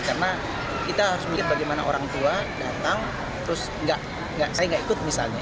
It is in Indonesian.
karena kita harus mikir bagaimana orang tua datang terus saya nggak ikut misalnya